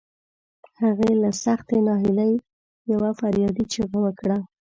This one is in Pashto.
هغې له سختې ناهيلۍ يوه فریادي چیغه وکړه.